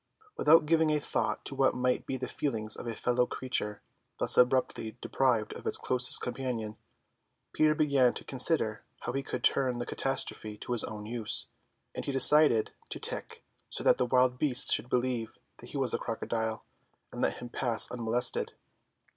Without giving a thought to what might be the feelings of a fellow creature thus abruptly deprived of its closest companion, Peter began to consider how he could turn the catastrophe to his own use; and he decided to tick, so that wild beasts should believe he was the crocodile and let him pass unmolested.